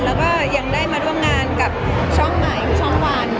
แล้วก็ยังได้มาร่วมงานกับช่องใหม่ช่องวัน